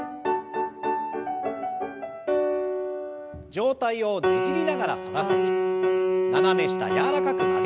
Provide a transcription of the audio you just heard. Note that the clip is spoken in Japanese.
上体をねじりながら反らせて斜め下柔らかく曲げましょう。